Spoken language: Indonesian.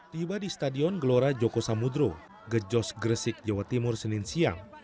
tiba di stadion gelora joko samudro gejos gresik jawa timur senin siang